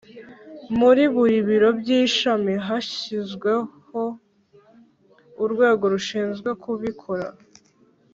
Muri buri biro by’ishami hashyizweho Urwego Rushinzwe kubikora